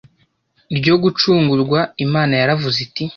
ryo gucungurwa. Imana yaravuze iti: